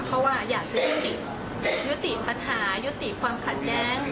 เขาอยากจะยุติปัญหายุติความขัดแย้ง